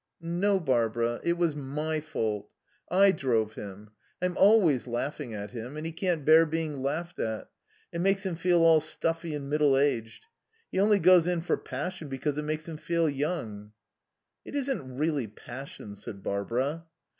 "No, Barbara, it was my fault. I drove him. I'm always laughing at him, and he can't bear being laughed at. It makes him feel all stuffy and middle aged. He only goes in for passion because it makes him feel young." "It isn't really passion," said Barbara.